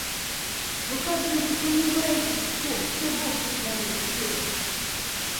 То как же вы сомневаетесь в том, что Бог сотворил всё?